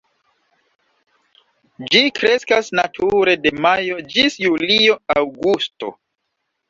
Ĝi kreskas nature de majo ĝis julio, aŭgusto.